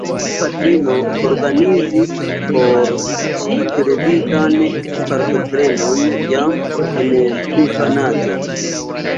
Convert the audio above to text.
Ŝi patrino organizis por ŝi televidan partoprenon jam en infanaĝo.